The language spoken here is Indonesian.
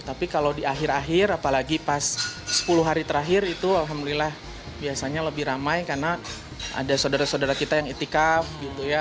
tapi kalau di akhir akhir apalagi pas sepuluh hari terakhir itu alhamdulillah biasanya lebih ramai karena ada saudara saudara kita yang itikaf gitu ya